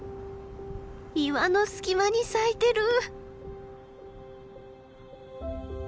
岩の隙間に咲いてる！